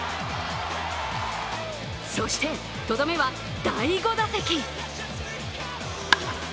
そして、とどめは第５打席。